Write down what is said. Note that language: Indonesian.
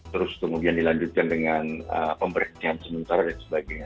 terus kemudian dilanjutkan dengan pemberhentian sementara dan sebagainya